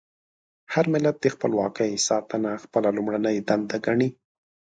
هر ملت د خپلواکۍ ساتنه خپله لومړنۍ دنده ګڼي.